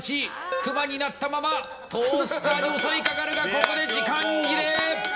クマになったままトースターに襲いかかるがここで時間切れ！